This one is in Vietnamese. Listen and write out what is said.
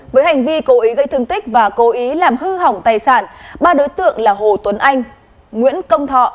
với hành vi cố ý gây thương tích và cố ý làm hư hỏng tài sản ba đối tượng là hồ tuấn anh nguyễn công thọ